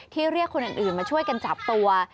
เรียกคนอื่นมาช่วยกันจับตัว